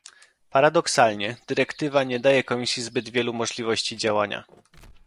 Paradoksalnie, dyrektywa nie daje Komisji zbyt wielu możliwości działania